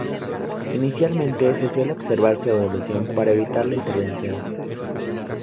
Inicialmente se suele observar su evolución para evitar la intervención.